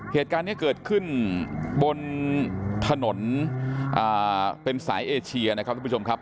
เหตุการณ์นี้เกิดขึ้นบนถนนเป็นสายเอเชียนะครับทุกผู้ชมครับ